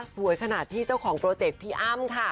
สวยขนาดที่เจ้าของโปรเจคพี่อ้ำค่ะ